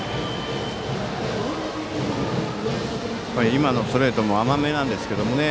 今のストレートも甘めだったんですけどね。